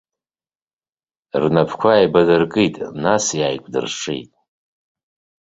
Рнапқәа ааибадыркит, нас иааикәдыршеит.